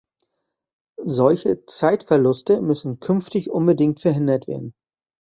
Solche Zeitverluste müssen künftig unbedingt verhindert werden!